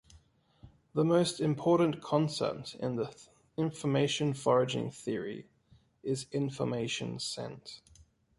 The most important concept in the information foraging theory is "information scent".